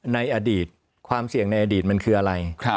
ในอดีตความเสี่ยงในอดีตมันคืออะไร